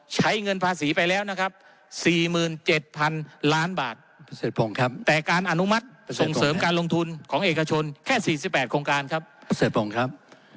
ใช้เงินภาษีไปแล้วนะครับ๔๗๐๐๐ล้านบาทแต่การอนุมัติส่งเสริมการลงทุนของเอกชนแค่๔๘โครงการครับ